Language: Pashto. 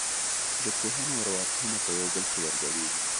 ژبپوهنه او ارواپوهنه په یو بل کې ورګډېږي